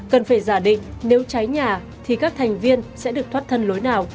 cần phải giả định nếu cháy nhà thì các thành viên sẽ được thoát thân lối nào